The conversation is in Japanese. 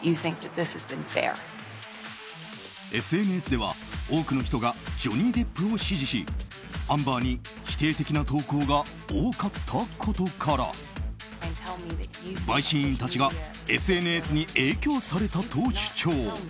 ＳＮＳでは、多くの人がジョニー・デップを支持しアンバーに否定的な投稿が多かったことから陪審員たちがＳＮＳに影響されたと主張。